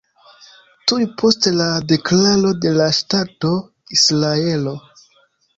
Tuj post la deklaro de la ŝtato Israelo.